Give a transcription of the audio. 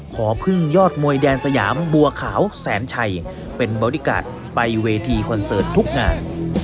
ขอพึ่งยอดมวยแดนสยามบัวขาวแสนชัยเป็นบอดี้การ์ดไปเวทีคอนเสิร์ตทุกงาน